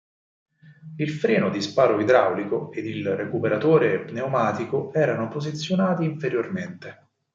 Il freno di sparo idraulico ed il recuperatore pneumatico erano posizionati inferiormente.